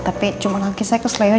tapi cuma kaki saya keselain aja